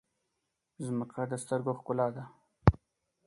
مځکه د سترګو ښکلا ده.